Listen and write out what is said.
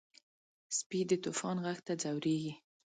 سپي د طوفان غږ ته ځورېږي.